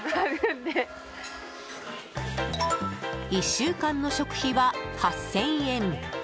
１週間の食費は８０００円。